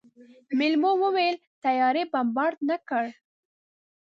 مېلمو وويل طيارې بمبارد نه کړ.